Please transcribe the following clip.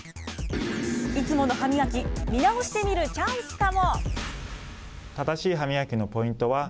いつもの歯磨き、見直してみるチャンスかも。